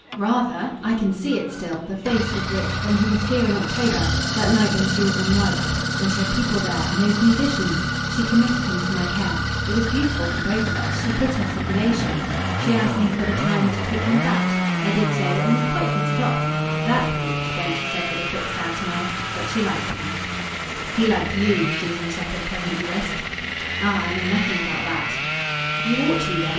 "Rather! I can see it still, the face with which, when he was here in October that night when she was in white, when she had people there and those musicians she committed him to my care. It was beautiful for both of us she put us in relation. She asked me, for the time, to take him about; I did so, and we quite hit it off. That proved," Densher said with a quick sad smile, "that she liked him." "He liked YOU," Susan Shepherd presently risked. "Ah I know nothing about that." "You ought to then.